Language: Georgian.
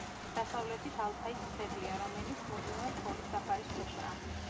დასავლეთით ალთაის მთებია, რომელიც მუდმივად თოვლის საფარის ქვეშაა.